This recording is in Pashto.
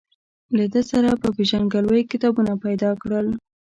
له ده سره په پېژندګلوۍ کتابونه پیدا کړل.